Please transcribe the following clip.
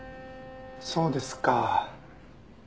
そうですか。